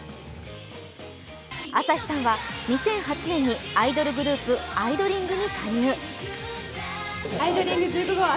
朝日さんは２００８年にアイドルグループ・アイドリング！！！に加入。